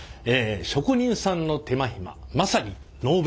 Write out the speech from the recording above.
職人さんの手間暇まさにノーベル賞！